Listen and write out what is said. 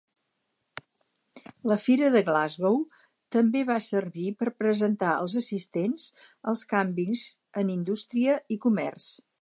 La Fira de Glasgow també va servir per presentar als assistents els canvis en indústria i comerç.